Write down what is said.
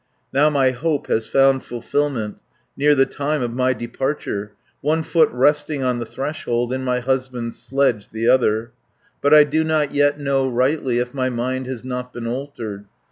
Now my hope has found fulfilment; Near the time of my departure; One foot resting on the threshold, In my husband's sledge the other, 150 But I do not yet know rightly, If my mind has not been altered.